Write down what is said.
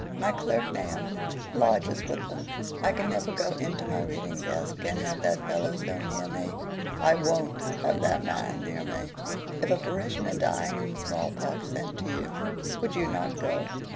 My clerk Nahum lodges with them I can never go into my reading desk and have that fellow so near me. I WON'T have that man near me." "If a parishioner dying in the small pox sent to you, would you not go?"